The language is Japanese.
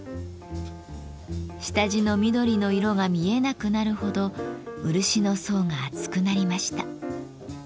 下地の緑の色が見えなくなるほど漆の層が厚くなりました。